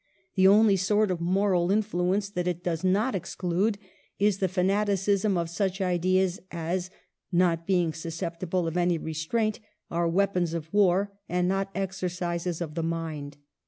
The only sort of moral influence that it does not ex clude is the fanaticism of such ideas as, not being susceptible of any restraint, are weapons of war and not exercises of the mind.